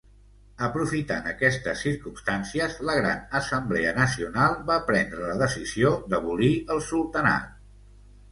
Aprofitant aquestes circumstàncies la Gran Assemblea Nacional va prendre la decisió d'abolir el Sultanat.